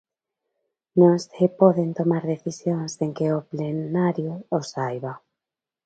Non se poden tomar decisións sen que o plenario o saiba.